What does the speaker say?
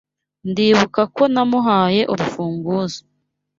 Ndibuka ko namuhaye urufunguzo.